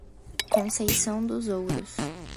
Conceição dos Ouros